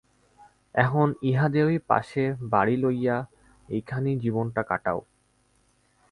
এখন ইহাদেরই পাশে বাড়ি লইয়া এইখানেই জীবনটা কাটাও।